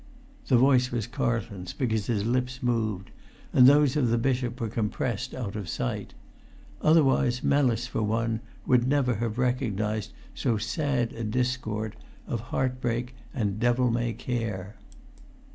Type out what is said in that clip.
The voice was Carlton's, because his lips moved,[Pg 392] and those of the bishop were compressed out of sight. Otherwise Mellis, for one, would never have recognised so sad a discord of heartbreak and devil may care.